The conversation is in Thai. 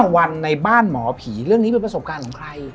วันในบ้านหมอผีเรื่องนี้เป็นประสบการณ์ของใคร